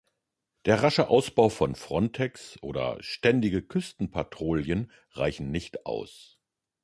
Der rasche Ausbau von Frontex oder ständige Küstenpatrouillen reichen nicht aus.